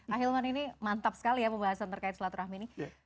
akhilman ini mantap sekali ya pembahasan terkait silaturahim ini